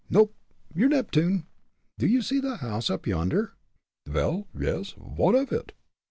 "Nop! you're Neptune. Do you see the house up yonder?" "Vel, yes; vot off it?"